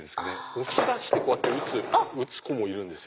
押し出して打つ子もいるんです。